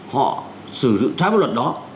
họ sử dụng trái bất luận đó